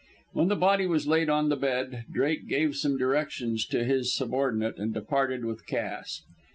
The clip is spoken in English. When the body was laid on the bed, Drake gave some directions to his subordinate, and departed with Cass.